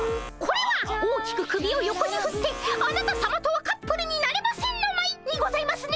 これは大きく首を横にふってあなたさまとはカップルになれませんのまいにございますね。